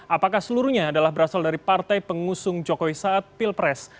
apakah seluruhnya adalah berasal dari partai pengusung jokowi saat pilpres